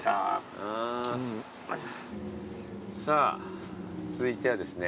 さあ続いてはですね。